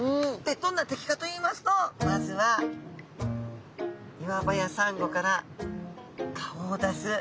どんな敵かといいますとまずは岩場やサンゴから顔を出す。